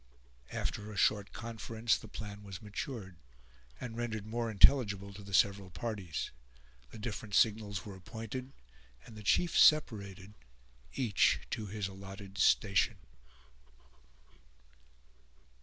After a short conference, the plan was matured, and rendered more intelligible to the several parties; the different signals were appointed, and the chiefs separated, each to his allotted station.